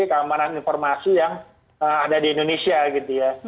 keamanan informasi yang ada di indonesia gitu ya